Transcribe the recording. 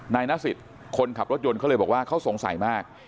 นายนสิทธิ์คนขับรถยนต์เขาเลยบอกว่าเขาสงสัยมาก